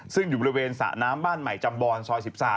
ซึ่งอยู่บริเวณสระน้ำบ้านใหม่จำบอนซอย๑๓